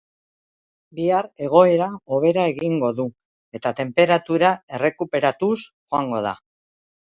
Bihar egoera hobera egingo du eta tenperatura errekuperatuz joango da.